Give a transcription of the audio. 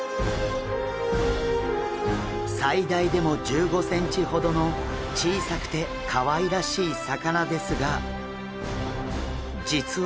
最大でも１５センチほどの小さくてかわいらしい魚ですが実は。